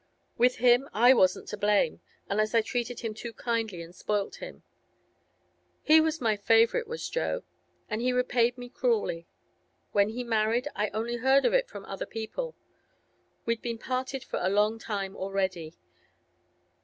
With him I wasn't to blame, unless I treated him too kindly and spoilt him. He was my favourite, was Jo, and he repaid me cruelly. When he married, I only heard of it from other people; we'd been parted for a long time already.